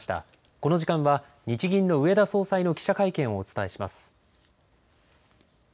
この時間は、日銀の植田総裁の記者会見をお伝えします。